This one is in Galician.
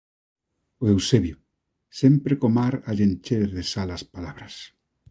O Eusebio, sempre co mar a lle encher de sal as palabras.